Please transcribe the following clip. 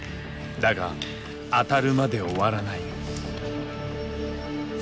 だが当たるまで終わらない。